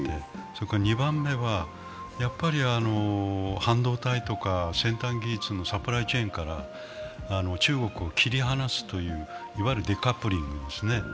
それから２番目は半導体とか戦隊技術のサプライチェーンから中国を切り離すという、いわゆるデカップリングですね。